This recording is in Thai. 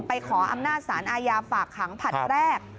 ขออำนาจสารอาญาฝากขังผลัดแรก